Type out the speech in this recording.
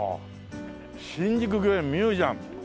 「新宿御苑ミュージアム」。